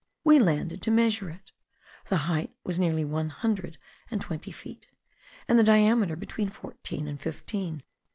We landed to measure it; the height was nearly one hundred and twenty feet, and the diameter between fourteen and fifteen.